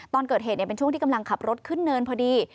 ตอนเกิดเหตุเป็นช่วงที่กำลังขับรถขึ้นเนินพอดี